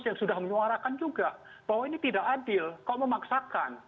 yang sudah menyuarakan juga bahwa ini tidak adil kau memaksakan